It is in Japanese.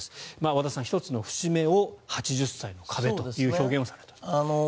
和田さん、１つの節目を８０歳の壁という表現をされたと。